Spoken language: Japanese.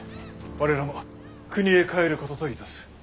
我らも国へ帰ることといたす。